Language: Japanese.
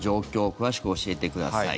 詳しく教えてください。